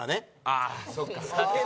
ああそっか。